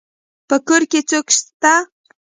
په کور کي څوک سته.